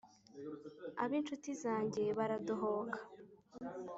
ab’inshuti zanjye baradohoka